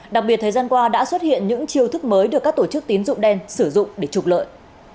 đặc biệt thời gian qua đã xuất hiện những chiêu thức mới được các tổ chức tín dụng đen sử dụng để trục lợi